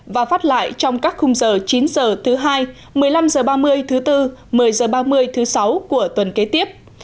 và phát lại trong các khung giờ chín h thứ hai một mươi năm h ba mươi thứ tư một mươi h ba mươi thứ sáu của tuần kế tiếp